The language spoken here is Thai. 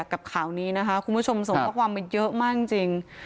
กับข่าวนี้นะคะคุณผู้ชมส่งความรู้สึกเยอะมากจริงจริง